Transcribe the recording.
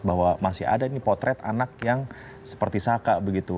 bahwa masih ada ini potret anak yang seperti saka begitu